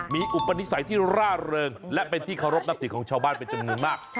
มีอุปนิสัยที่ร่าเริงและเป็นที่เคารพนับถือของชาวบ้านเป็นจำนวนมาก